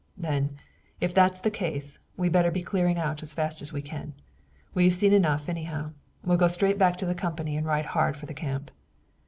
"Then, if that's the case, we'd better be clearing out as fast as we can. We've seen enough, anyhow. We'll go straight back to the company and ride hard for the camp."